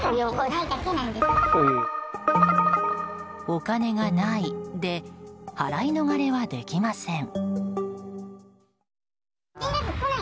お金がないで払い逃れはできません。